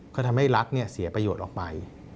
ก็ทำให้รัฐเสียประโยชน์ออกไป